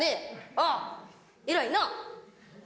ああ、偉いな。